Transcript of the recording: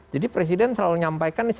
jadi presiden selalu menyampaikan